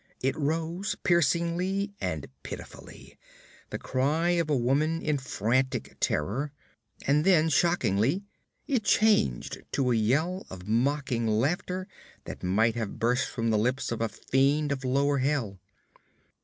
It rose piercingly and pitifully, the cry of a woman in frantic terror and then, shockingly, it changed to a yell of mocking laughter that might have burst from the lips of a fiend of lower Hell.